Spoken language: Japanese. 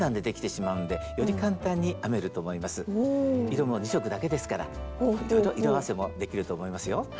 色も２色だけですからいろいろ色合わせもできると思いますよ。